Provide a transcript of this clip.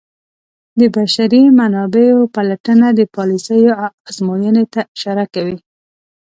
د بشري منابعو پلټنه د پالیسیو ازموینې ته اشاره کوي.